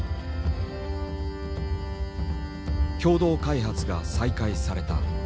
共同開発が再開された。